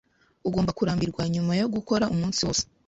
Ugomba kurambirwa nyuma yo gukora umunsi wose.